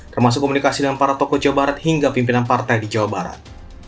termasuk komunikasi dengan para tokoh jawa barat hingga pimpinan partai di jawa barat